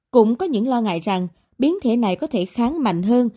cũng có những lo ngại rằng biến thể này có thể kháng mạnh hơn